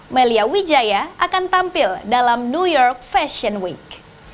melia wijaya akan tampil dalam new york fashion week